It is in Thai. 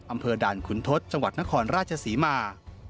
อำเภอด่านขุนทศจังหวัดนครราชศรีมา